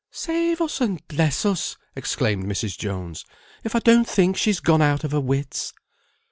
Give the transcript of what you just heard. "Save us, and bless us!" exclaimed Mrs. Jones, "if I don't think she's gone out of her wits!"